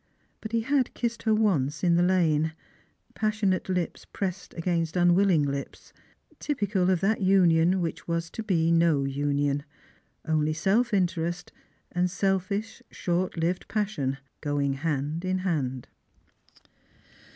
But he had kissed her once in the lane ; passionate lips pressed against unwilUng lips, typical of that union which was to be no union ; only self intereist and selfish short lived passion going hand in hand.